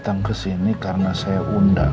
terima kasih kamu sudah datang